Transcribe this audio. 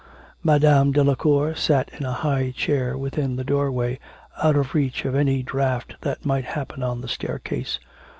Madame Delacour sat in a high chair within the doorway, out of reach of any draught that might happen on the staircase.